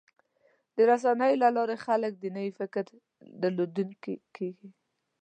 د رسنیو له لارې خلک د نوي فکر درلودونکي کېږي.